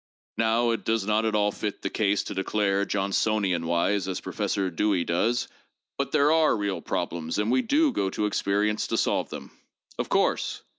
Now it does not at all fit the case to declare, Johnsonian wise, as Professor Dewey does: But there are real prob lems, and we do go to experience to solve them. Of course!